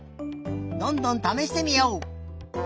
どんどんためしてみよう！